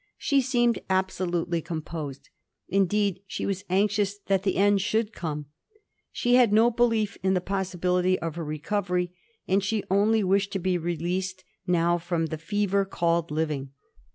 She seemed absolutely composed; indeed she was anxious that the endi should come. She had no belief in the possibility of her recovery, and she only wanted to be released now from " the fever called living."